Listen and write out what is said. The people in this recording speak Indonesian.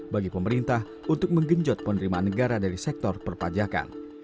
bagi pemerintah untuk menggenjot penerimaan negara dari sektor perpajakan